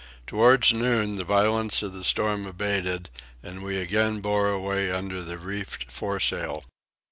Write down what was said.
Towards noon the violence of the storm abated and we again bore away under the reefed fore sail.